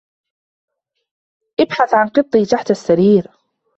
ابحث عن قطي تحت السرير.